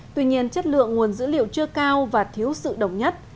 tuy nhiên chất lượng nguồn dữ liệu chưa cao và thiếu sự đồng nhất